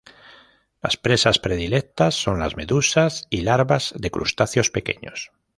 Las presas predilectas son las medusas y larvas de crustáceos pequeños.